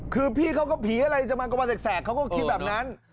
คือพี่เขาก็ผีอะไรจะมากับวันแสกเขาก็คิดแบบนั้น